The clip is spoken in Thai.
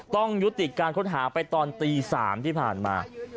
ต้องยุติการค้นหาไปตอนตี๓ที่ผ่านมา